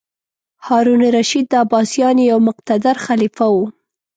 هارون الرشید د عباسیانو یو مقتدر خلیفه و.